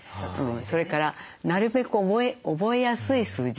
それからなるべく覚えやすい数字。